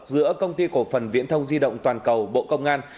giữa công ty cổ phần viễn thông di động toàn cầu bộ công an